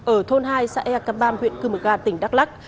ở thôn hai xã e căm bam huyện cư mực gà tỉnh đắk lắc